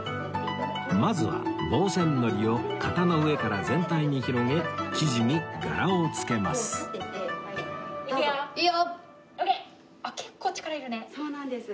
まずは防染糊を型の上から全体に広げ生地に柄をつけます